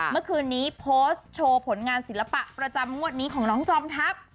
เมื่อคืนนี้โพสต์โชว์ผลงานศิลปะประจำงวดนี้ของน้องจอมทัพ